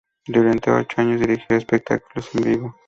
Durante ocho años dirigió espectáculos en vivo.